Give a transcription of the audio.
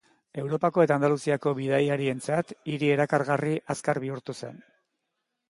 Europako eta Andaluziako bidaiarientzat hiri erakargarri azkar bihurtu zen.